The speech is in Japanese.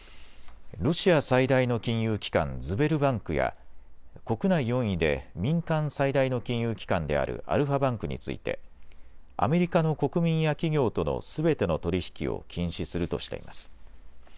ロシア最大の金融機関、ズベルバンクや国内４位で民間最大の金融機関であるアルファバンクについてアメリカの国民や企業とのすべての取り引きを禁止するとしています。